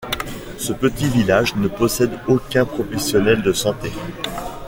Ce petit village ne possède aucun professionnel de santé.